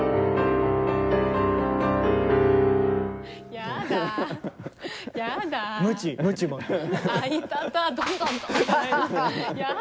やだ。